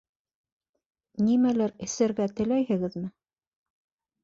Нимәлер эсергә теләйһегеҙме?